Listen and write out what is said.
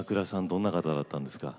どんな方だったんですか。